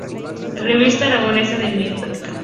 Revista Aragonesa de Emblemática".